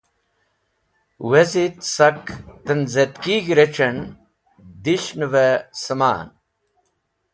Ye wezit sẽk tẽnzẽtkig̃h (webside)rechẽn dishnẽvẽ sẽman.